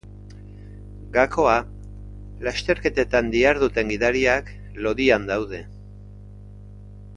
Gakoa: Lasterketetan diharduten gidariak lodian daude.